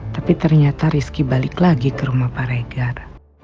tapi ternyata rizky balik lagi ke rumah pak regar